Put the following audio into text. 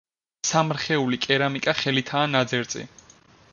სამრხეული კერამიკა ხელითაა ნაძერწი.